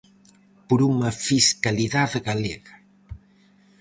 Por unha fiscalidade galega.